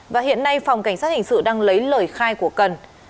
và hiện nay phòng cảnh sát hình sự đang lấy lời khai của cần